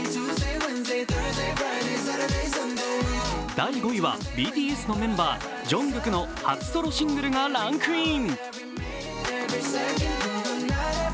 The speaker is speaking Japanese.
第５位は、ＢＴＳのメンバーＪＵＮＧＫＯＯＫの初ソロシングルがランクイン。